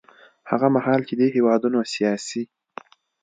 هغه مهال چې دې هېوادونو سیاسي